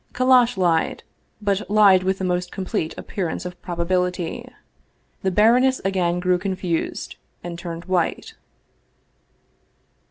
Kallash lied, but lied with the most complete appearance of probability. The baroness again grew confused and turned white.